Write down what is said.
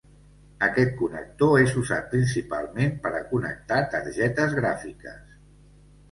Aquest connector és usat principalment per a connectar targetes gràfiques.